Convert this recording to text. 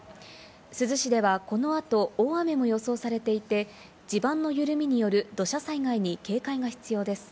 珠洲市ではこの後、大雨も予想されていて、地盤の緩みによる土砂災害に警戒が必要です。